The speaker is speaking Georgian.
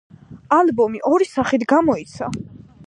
ალბომი ორი სახით გამოიცა.